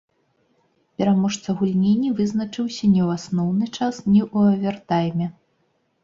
Пераможца гульні не вызначыўся ні ў асноўны час, ні ў авертайме.